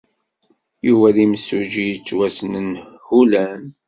Yuba d imsujji yettwassnen hullan.